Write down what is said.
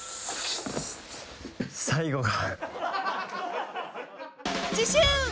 最後が。